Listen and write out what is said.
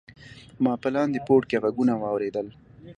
ما په لاندې پوړ کې غږونه واوریدل.